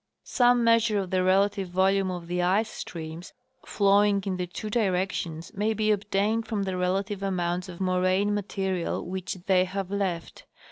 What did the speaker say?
Some measure of the relative volume of the ice streams flowing in the two directions may be obtained from the relative amounts of moraine" material which they have left.